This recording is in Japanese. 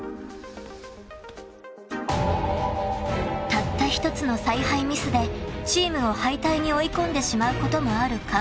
［たった一つの采配ミスでチームを敗退に追い込んでしまうこともある監督業］